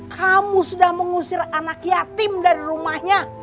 kamu sudah mengusir anak yatim dari rumahnya